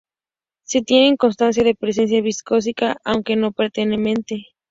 Se tiene constancia de presencia visigótica, aunque no permanente.